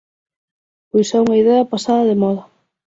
Pois é unha idea pasada de moda.